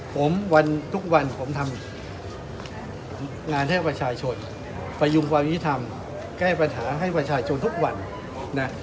ผมวันทุกวันผมทำงานให้ประชาชนประยุงความยุทธรรมแก้ปัญหาให้ประชาชนทุกวันนะ